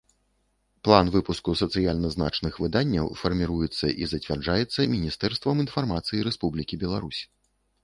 План выпуску сацыяльна значных выданняў фармiруецца i зацвярджаецца Мiнiстэрствам iнфармацыi Рэспублiкi Беларусь.